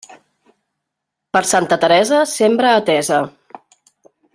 Per Santa Teresa, sembra a tesa.